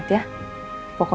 ada di plane